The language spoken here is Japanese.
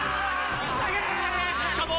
しかも。